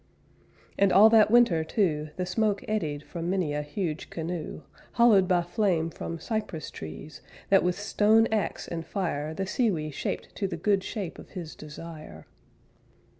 And all that winter, too, The smoke eddied From many a huge canoe, Hollowed by flame from cypress trees That with stone ax and fire The Sewee shaped to the good shape Of his desire.